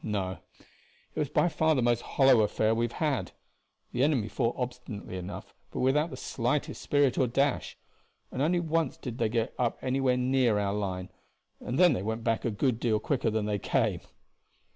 No; it was by far the most hollow affair we have had. The enemy fought obstinately enough, but without the slightest spirit or dash, and only once did they get up anywhere near our line, and then they went back a good deal quicker than they came."